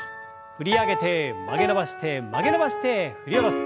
振り上げて曲げ伸ばして曲げ伸ばして振り下ろす。